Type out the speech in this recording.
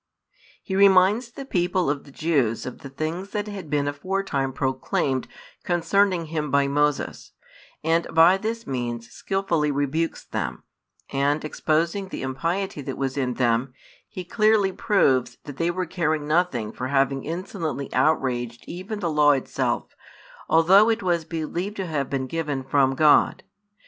He reminds the people of the Jews of the things that had been aforetime proclaimed concerning Him by Moses, and by this means skilfully rebukes them; and, exposing the impiety that was in them, He clearly proves that they were caring nothing for having insolently outraged even the Law itself, although it was believed to have been given from God.